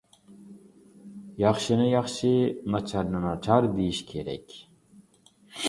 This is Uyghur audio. ياخشىنى ياخشى، ناچارنى ناچار دېيىش كېرەك.